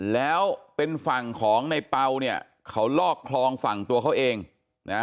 แล้วเป็นฝั่งของในเปล่าเนี่ยเขาลอกคลองฝั่งตัวเขาเองนะฮะ